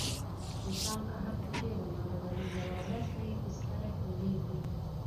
انسان که هر څو ډېر عمر ولري، یوه ورځ به یې بستره ټولېږي.